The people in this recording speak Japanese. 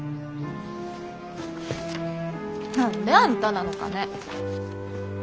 何であんたなのかね。